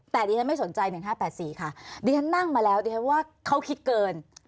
แต่ดิฉันไม่สนใจ๑๕๘๔ค่ะดิฉันนั่งมาแล้วดิฉันว่าเขาคิดเกิน